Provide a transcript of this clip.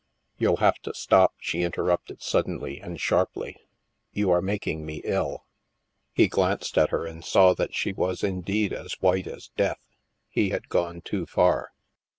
" You'll have to stop," she interrupted suddenly and sharply. " You are making me ill." He glanced at her and saw that she was indeed as white as death. He had gone too far.